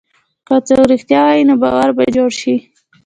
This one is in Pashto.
که څوک رښتیا ووایي، نو باور به جوړ شي.